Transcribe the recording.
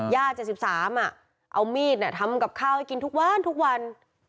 ๗๓เอามีดทำกับข้าวให้กินทุกวันทุกวัน